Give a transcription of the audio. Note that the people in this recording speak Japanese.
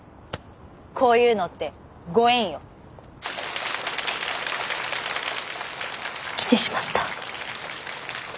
こういうのってご縁よ？来てしまった。